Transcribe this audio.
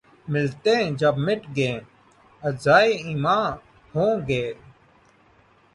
ملتیں جب مٹ گئیں‘ اجزائے ایماں ہو گئیں